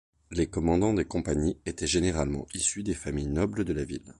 Les commandants des compagnies étaient généralement issus des familles nobles de la ville.